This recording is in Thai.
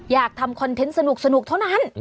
อยากทำคอนเทนต์สนุกเท่านั้น